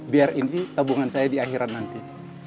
biar ini tabungan saya di akhirat nanti